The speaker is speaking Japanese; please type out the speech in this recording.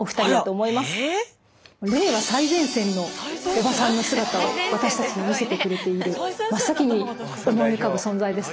おばさんの姿を私たちに見せてくれている真っ先に思い浮かぶ存在ですね。